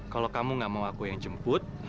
kalo kamu nggak mau aku yang jemput